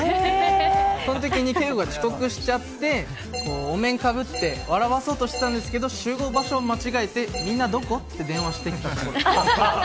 そのときに景瑚が遅刻しちゃってお面かぶって笑わせようとしたんですけど集合場所を間違えてみんなどこって電話をしている最中です。